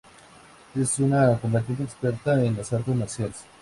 Es una combatiente experta en las artes marciales.